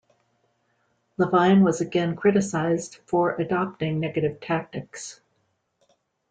Levein was again criticised for adopting negative tactics.